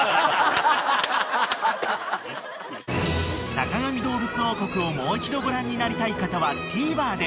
［『坂上どうぶつ王国』をもう一度ご覧になりたい方はＴＶｅｒで］